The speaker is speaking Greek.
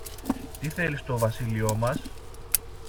Τι θέλει στο βασίλειο μας;